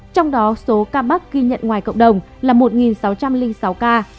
trong đó số ca mắc ghi nhận ngoài cộng đồng là một sáu trăm linh sáu ca